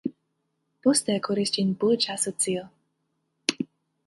Poste akiris ĝin burĝa asocio.